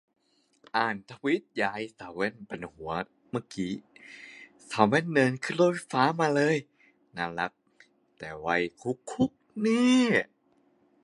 อ่านทวีตอย่าให้สาวแว่นปั่นหัวเมื่อกี๊ สาวแว่นเดินขึ้นรถไฟฟ้ามาเลย น่ารัก แต่วัยคุกคุกแน่